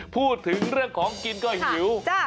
พูดถึงเรื่องของกินก็หิว